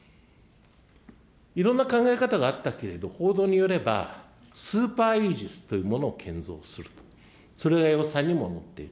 いろんな考え方があったけれど、報道によれば、スーパーイージスというものを建造する、それがにもなっている。